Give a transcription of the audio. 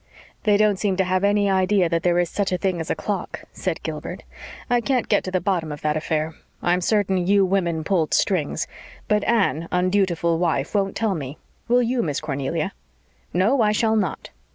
"They don't seem to have any idea that there is such a thing as a clock," said Gilbert. "I can't get to the bottom of that affair. I'm certain you women pulled strings. But Anne, undutiful wife, won't tell me. Will you, Miss Cornelia?" "No, I shall not.